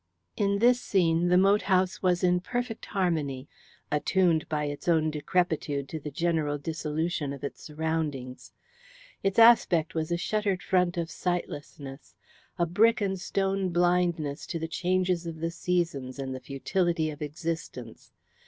In this scene the moat house was in perfect harmony, attuned by its own decrepitude to the general dissolution of its surroundings. Its aspect was a shuttered front of sightlessness, a brick and stone blindness to the changes of the seasons and the futility of existence.